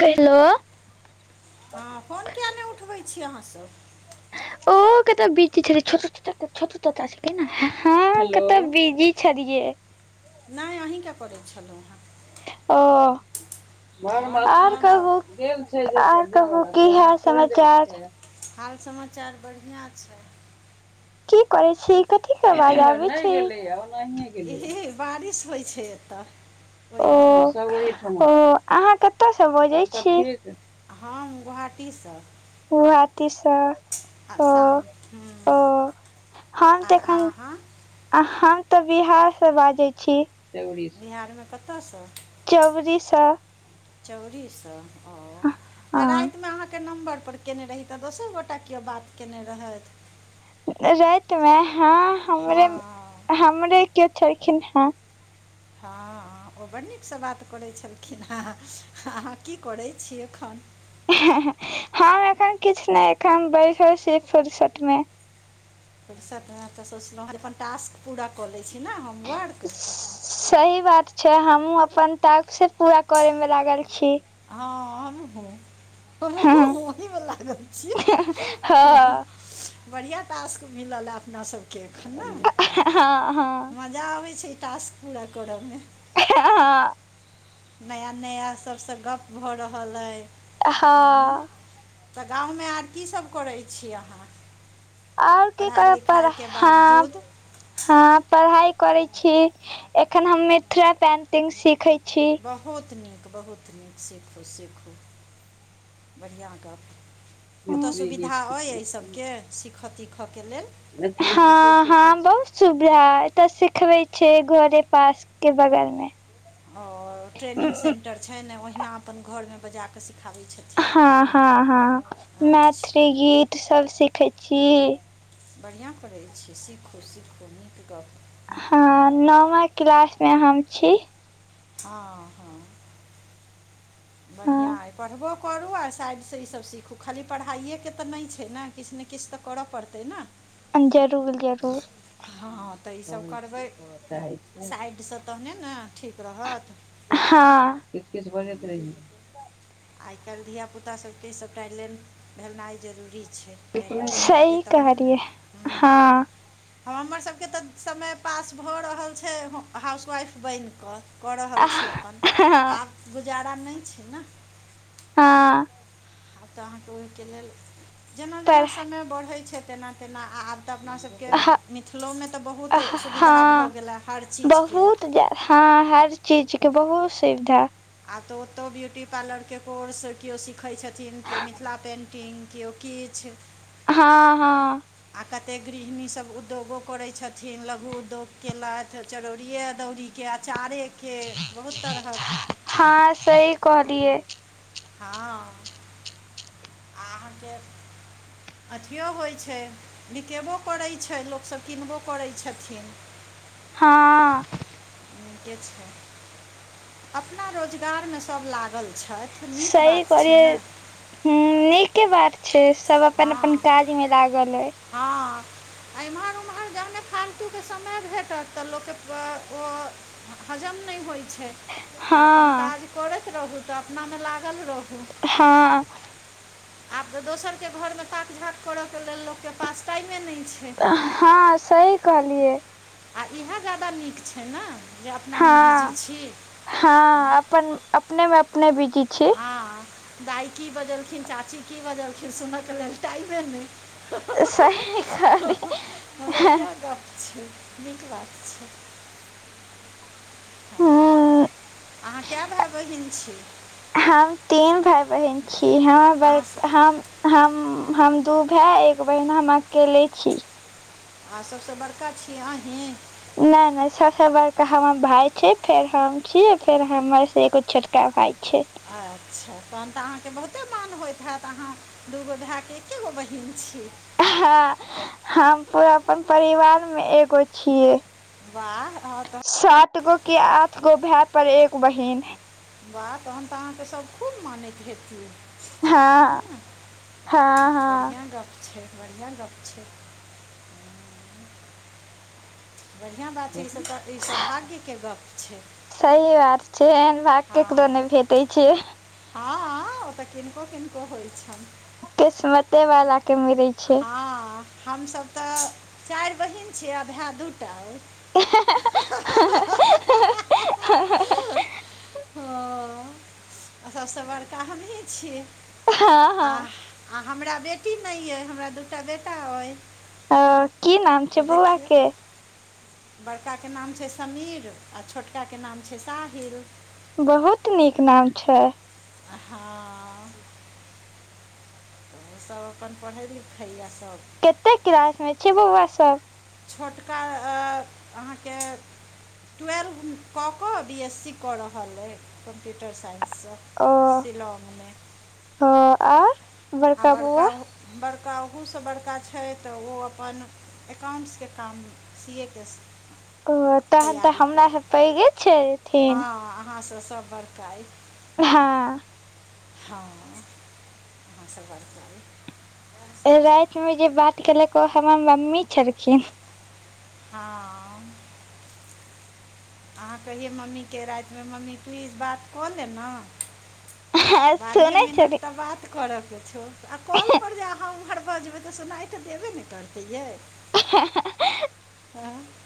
तै हाँ फोन किया ने उठबै छी अहाँ सब। उहो कतो बीजी छलै छोटू चच्चा के छोटू चच्चा छिये कही ने हाँ कता बिजी छलिये। नै अहीं के करै छलौ हें। ओ आओर आर बताउ कहु। आर कहु कि हाल-समाचार। हाल-समाचार बढ़िया छै। की करै छी, कथी के अवाज आबै छै। ई बारिश होय छै एतऽ ओय ओ के। ओ अहाँ कता से बाजै छी। हम गुहाटी से। गुहाति से। आसाम हूँ आर आहाँ। आ हम तऽ बिहार से बाजै छी। बिहारमे कतयसँ चौरि से। चौरि से हां हँ राएत मे अहाँ के नम्बर पर केने रही तऽ दोसर गोटा कियो बात केने रहैथ। राएत मे हाँ। हाँ। हमरे कियो छलखिन हें। हाँ ओ बड़ निक से बात करै छलखिन हें, अहाँ कि करै छी एखन। हम एखन किछ नै एखन बैसल छी फुर्सत मे। फुरसत मे तऽ सोचलौ हय जे अपन टास्क पूरा कऽ लै छी ने होमवर्क। सही बात छै हमु अपन टाक्से पूरा करै मे लागल छी। हाँ हमहु। हँ हमहु ओहि मे लागल छी, हँ हां। हँ बढ़ियाँ टास्क मिलल अय अपना सब हाँ-हाँ। जाबै छै टास्क पूरा करऽ मे। हाँ। नया-नया सबसे गप्प भऽ रहल अय हुं। हँ तऽ गाँव मे आब कि सब करै छी अहाँ। और कि पढ़ाइ करब पर लिखाइके हाँ, बावजूद हाँ पड़हाय करै छी। एखन हम मिथला पेटिंग सीखै छी। बहुत नीक, बहुत नीक सीखु-सीखु। बढ़ियाँ गप्प ओता सुविधा अय ए सबके सीखऽ तीखऽ के लेल। हाँ-हाँ बहुत सुविधा अय एतऽ सिखबे छै घरे पास के बगल मे। और ट्रेनिंग सेन्टर छै न ओहिना अपन घरमे बजाकऽ सिखाबैत छथिन। हँ -हँ -हँ अच्छा मैथिली गीत सब सिखैय छी ए। बढ़िआ करैय छी सीखू -सीखू नीक गप्प। हाॅं नमा क्लास में हम छी। हँ हँ। बढ़िआ हँ अइ पढ़बो करू आ साइडसऽ ईसभ सीखू खाली पढ़ाइएके तऽ नहि छैय ने किछ ने किछ तऽ। करऽ पड़तैय ना। जरूर जरूर [unintelligible] हॅं हॅं ईसभ करबैय साइड सऽ। तबे न ठीक रहत तऽ। हाॅं। आइ काल्हि धियापुतासभके सभटा लेन भेनाइ जरूरी छैय। सही कहलियै हाॅं। हमरसभके तऽ समय पास भऽ रहल छै, हाउसवाइफ बैन कऽ। कऽ रहल छी अपन हँ आब गुजारा नहि छैय न। हाॅं। आब तऽ अहाँके ओहिके लेल जेना जेना पर समय बढ़ै छै तेना तेना आब ‌ तऽ अपना सबके ह मिथिलो में तऽ बहुत सुविधा भऽ हँ गेला हर चीज के। बहुत हँ हर चीज के बहुत सुविधा। आब तऽ ओतो ब्यूटी पार्लरके कोर्स केओ सीखै छथिन, किओ मिथिला पेन्टिंग केओ किछ। हँ हँ। आ कते गृहिणी सब उद्यो गो करै छथिन, लघु उद्योग केलथ चरौड़िये, अदौड़ी। के अँचारेके बहुत तरहक। हाॅं सही कहलियैं। हाॅं ‌ अहाँके। अथियों होइ छै बिकेबों करै छैं लोकसभ किनबो करैत छथिन। हँ। नीके छैं, अपना रोजगार में सभ लागल छय। सही करिये। हम्म नीके बात छै सब अपन अपन काज में लागल एइ। [inaudible] अईएम्हर ओम्हर जामे फालतूके समय भेटत तऽ लोकके प व। हजम नैय होइ छै आ अपन हँ काज करैत रहू तऽ अपना में लागल रहू। हाॅं। जो दोसर के घर में ताक झाक करऽ के लेल लोकके पास टाइमे नै छै। हाॅं सही कहलियै। आ इहे ज्यादा नीक छै न जे अपना में बिजी छी। हाॅं अपन, अपने में अपने बिजी छी। हाॅं दाइ की बजलखिन, चाची की बजलखिन सुनय के लेल टाइमे नैय। ह-ह-ह-ह-ह, सही ह-ह हमर कहलियै इहे गप छै। निक बात छे। हां, हूँ अहाँ कै भैय बहिन छी। हम तीन भाय बहिन छी, हॅं अहाँ बड़ स- हम हम - हम दू भै एक बहिन हम अकेले छी। आ सबस बड़का छी अही? नैय नैय सबसे बरका हमर भाय छै फेर हम छीय फेर हमर से एगो छोट का भाई छैय। अच्छा तहन तऽ अहाँके बहुते मान होएत हेत अहाँ‌। दूगो भैऽ के एके गो बहीन छी। हँ हम पूरा अपन परिवार मे एगो छियै। वाह आहाँ तऽ सात गो कि आठ गो भैऽ पर एक बहिन वाह तहन तऽ अहाँके सब खूब मानैत हेति। हँ हँ हँ बढ़िआँ गप छै बढ़िआँ गप छै बढ़िआँ बात छै ई सब तऽ ई सौभाग्यके गप छै। सही बात छै एहन भाग केकरो हँ नहि भेटै छै हँ ओतऽ किनको-किनको होइ छनि। किस्मते वाला के मिलै छै हँ हमसब तऽ चारि बहिन छीयै आ भैऽ दूटा अई हँ हं हँ हं हं हँ हँ सबसँ बड़का हमही छी हँ आ हँ आ हमरा बेटी नहि यैऽ हमरा दू टा बेटा अय अ की नाम छै बौआ देखियौ के बड़का के नाम छै समीर आ छोटका के नाम छै साहिल बहोत नीक नाम छै आ हाँ सब अपन पढ़ै लिखैए सब कतै क्लास मे छै बौआ सब छोटका अ अहाँके टूवेल्व कऽ कऽ बी एस सी कऽ रहल अइ कम्प्यूटर साइंस सँ शिलोंग में हँ आर आ बड़का ऊ बड़का ओहूसँ बड़का छैय तऽ ओ अपन एकाउंट्स के काम सी ए के स ओ तहन तऽ हमरा सऽ पैघे छै हँ अहाँ सऽ सब बड़का अइ हँ हँ आहाँ सऽ बड़का अइ ओए राइत मे जे बात केलक ओ हमर मम्मी छलखिन हँ अहाँ कहियै मम्मी के राइतमे मम्मी तूही बात कऽ ले नऽ बारहे सुनै मिनट छली तऽ बात करऽ के छौ आ कॉल पर जे अहाँ ओम्हर बजबै तऽ सुनाइ तऽ देबे न करतैै यै हँ हँ ए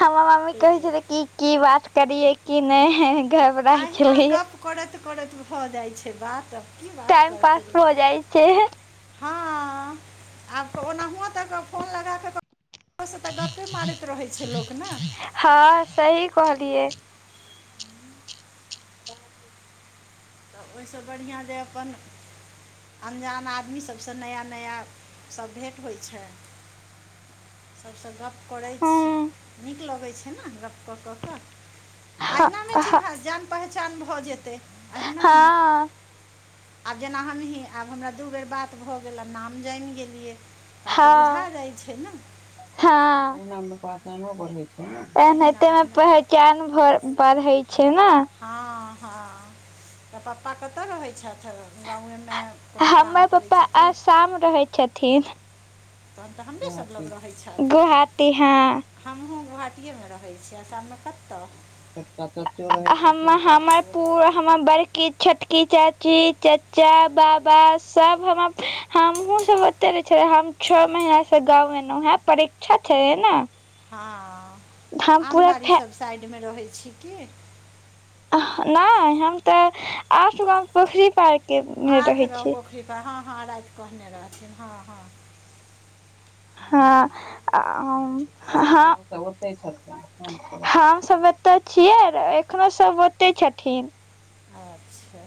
हमर मम्मी कहै दुआरे छलै कि की बात करियै की नहि है घ अहिना गप करैत-करैत भऽ जाइ छै बात की बात टाइम करतै पास भऽ लोक जाइ छै हँ आब कऽ ओनाहू तऽ फोन लगा कऽ रोसँ तऽ गप्पे मारैत रहैत छै लोक न। हँ सही कहलियै। आ ओहिसँ बढ़िआँ जे अपन अनजान आदमी सबसँ नया-नया सब भेँट होइ छै। सबसँ गप्प करै छी, हूँ नीक लगै छै न गप्प क कऽ कऽ। हँ अहिना मे चिन्हल जान पहचान भए जेतय अहिना। हँ आब जेना हमहीँ, आब हमरा दू बेर बात भऽ गेल, आब नाम जानि गेलियै। तऽ आब त बुझा जाइ छै न। हं अहिना एनहैते में अहिना पहैत कैन भर पढ़ईं छै न। हँ-हँ त पप्पा कतऽ रहै छथि है गाउए में। हमर पापा आशाम रहै छथिन। तहन तऽ हमरे सब लग रहै छथि गोहाटी हँ। हमहुँ गोहाटीएमे रहै छी, आशाम मे कतऽ। [inaudible] हम हमर पू हमर बड़की, छोटकी, चाची, चच चा बाबा सब हम हमहुं सब ओते रहे छलियै, हम छौ महीना से गाँव एलौं हैं परीक्षा छैलय न। हँ आमबाड़ी फै सब साइडमे रहै छी की। अह नहि हम तऽ आठ गाँव पोखरी पार के मे आठ रहै गाँंव छी पोखरि पर हँ-हँ, राति कहने रहथिन हँ- हँ। हूँ, हूँ, हँ अ ठीके ओे हं हम सब एतऽ छियै र, एखनो सब ओतय छथिन। छै अच्छा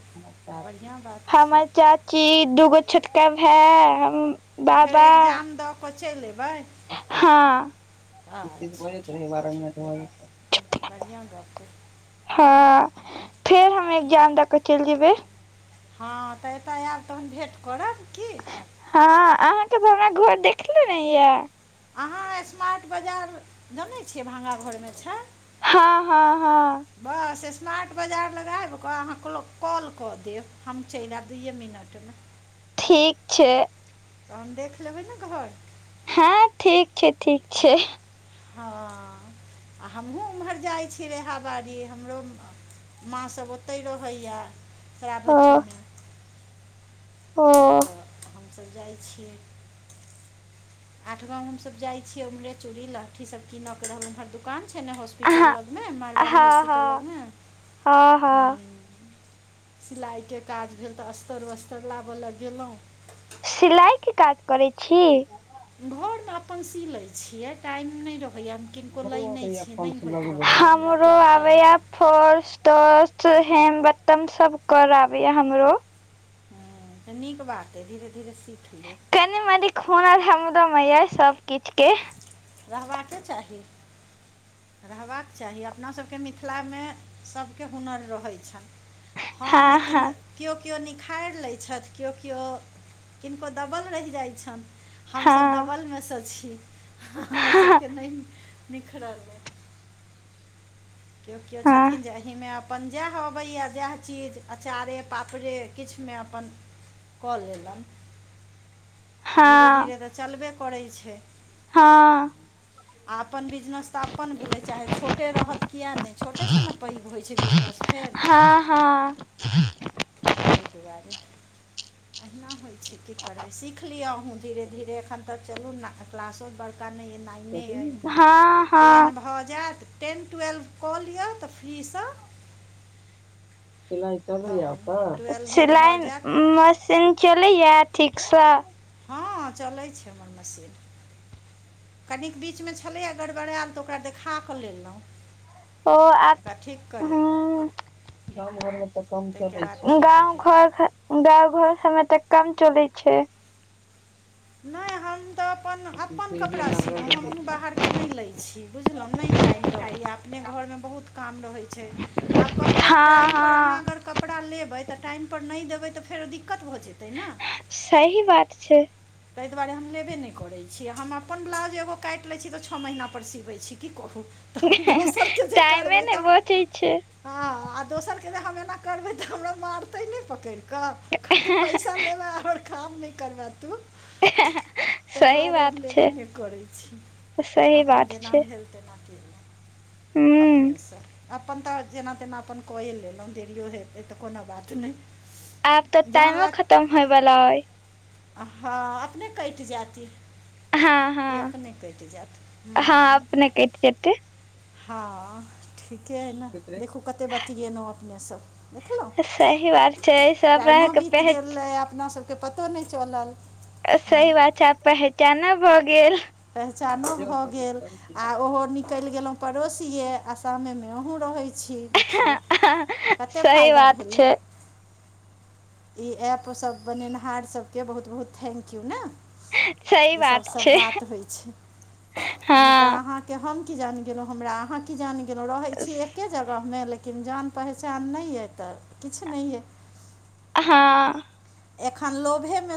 बढ़िआँ बात छै हमर चाची, दूगो छोटका भैए, हम। त फेर बाबा एक्जाम दऽ कऽ चलि एबै। हँ। बढ़ियां गप। हँ फेर हम एग्जाम द क चलि जेबै। हँ त एतऽ ऐब तहन भेंट करब की। हँ अहाँके तऽ हमरा घर देखले नहि यैं। अहाँ स्मार्ट बाजार जनै छियै भांगाघरमे छै। हँ- हँ -हँ बस स्मार्ट बाजार लग आबि कऽ, अहाँ क्ल कॉल कऽ देब, हम चलि आयब दुइए मिनट मे। ठीक छै। तहन देख लेबै ने घर। हैं ठीक छै- ठीक छै। हँ आ हमहूँ ओम्हर जाइ छी, रेहा बाड़ी हमरो माँ सब ओतहि रहैए तरा ओ भट्ठी मे। ओ तऽ हमसब जाइ छियै। आठ गांव हम सब जाय छियै, उमहरे चूड़ी, लहठी सब कीन के रहल, उम्हर दुकान ने हॉस्प स्पिटल अहाँ लग में, मारवाड़ी हँ हॉस्पिटल लग हँ में। हँ हँ सिलाइके काज भेल त, अस्तर-वस्तर लाबय ल गेल‌ऊ। सिलाइ के काज करै छी। घरमे अपन सी लै छियै, टाइम नहि रहैए न। किनको लै नहि छियेन, नहि होइत रहैय हमरा कैल टाइमपर। फॉल्स टस हेम बटन सब कर आबे य हमरो। हँ, तऽ नीक बात अइ धीरे धीरे सीख लेब। कनि मनी हुनर हमरो मै अय सब किछ के। रहबाके चाही। रहबाक चाही, अपनासभके मिथिलामे सभके हुनर रहैत छनि। हँ लेकिन केओ -केओ निखारि लैत छथि, केओ- केओ किनको दबल रहि जाइत छनि। हमसभ हँ दबलमे स छी, हँ हमरसभके नहि निखरल अइ केओ -केओ हँ छथिन जे एहिमे अप अपन जैह अबय जैह चीज अचारे पापड़े किछुमे अपन कऽ लेलन आ धीरे- हँ धीरे तऽ चलबे करय छै। हँऽ आ अपन बिजनेस त अपन भेलै चाहे छोटे रहत कियै नै छोटेसँ ने पैघ होय छै, बिजनेस फेर हँ -हँ तैय दुआरे, अहिना होय छै की करबै सीख सीखलिय अहूँ धीरे- धीरे, अखन त चलू न क्लासो बड़का नैय नहि। नै अय हँ हँ टेन हँ भऽ जैत टेन टुवेलभ कऽ लिय तऽ फ्री स सिलाइ चलय ये तहन ओत, ट्वेल्वो भऽ सिलाइ जायत मशीन चलैया ठीकस। हँ चलै छै हमर मशीन। कनि बीचमे छलै गड़बड़ेल, तऽ ओकरा देखा कऽ लेलोंह। ओ अप ओकरा ठीक करैलों। गाम घर मे तऽ कम चलय बाद छै ठीक गांव भेल घर गाँव घर सबमे तऽ कम चलै छै। नैय हम तऽ अपन -अपन। कपड़ा सिलों, हमहुँ बाहरके नहि लै छी, बुझलहुँ नहि टाइम रहैया, अपने घरमे बहुत काम रहै छै आब ककरो हँ टाइम पर अहाँ हँ अगर कपड़ा लेबै तऽ टाइम पर नैय देबै, तऽ फेर दिक्कत भऽ जेतै ने। सही बात छै। तैय दुआरे हम लेबे नै करैय छी, हम अपन ब्लाउज एगो काइट लैय छी, तऽ छः महीनापर सिबैय छी की कहू। दोसरके जे टाइमे करबै नहि तऽ बचै छै हँ आ दोसरके जे हम एना करबै तऽ, हमरा मारतै नैय पकड़ कऽ कहतै पैसा लैबे हमर काम नै करबे तू ह ह ह तै दुआरे हम लेबे नय करैय छी, सही अपन बात जेना छै भेल तेना केलु। हूँ अपनेस अप हम तऽ जेना तेना अपन कये लेलोंह, देेरियो हेतै तऽ कोनो बात नै। आब तऽ टाइमो खतम होय बला अय। हँ अपने कैट जेत इ। हँ ई हँ अपने कटि जैत हँ हूंऽ अपने कटि जेतै हँऽ ठीके अय न, देखू कते बतिएनउ अपने सब। देखलौं, सही बात छै एहिसँ अपना टाइमो आरके बीत पहच गैलै अपना सबके पतो नैय चलल। सही बात छै, आब पहचानो भऽ गेल। पहचानो भऽ गेल आ ओहो नीक निकल गेलौ पड़ोसिये आसामे मे अहू रहय छी। देखियौ कतय सही फायदा बात भेलै। छै ई ऐप सब बनैनहार सबके बहुत-बहुत थैंक यू नै। सही बात छै। त होय छै नै तै हँ अहां के हम कीजन गेलौ, हमरा अहां कीजन गेलौ रहय छी एके जगह मे लेकिन जान पहचान नै यै तऽ किछ नै यै। हां। ऐखन लोभे मे